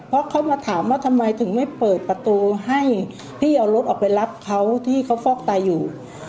เพราะเขามาถามว่าทำไมถึงไม่เปิดประตูให้พี่เอารถออกไปรับเขาที่เขาฟอกไตอยู่